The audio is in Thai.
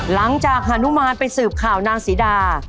หลังจากฮานุมานไปสืบข่าวนางศรีดา